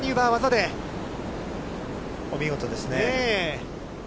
お見事ですね。